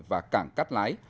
và cảng cát lái